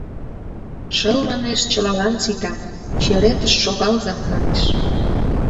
Шыл, манеш, чылалан сита, черетыш шогалза, манеш.